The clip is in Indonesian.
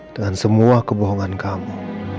dengan semua kebohongan kamu